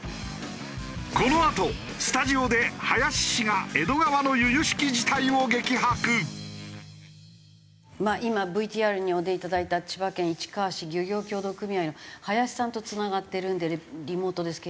このあとスタジオで林氏が今ＶＴＲにお出いただいた千葉県市川市漁業協同組合の林さんとつながっているのでリモートですけれども。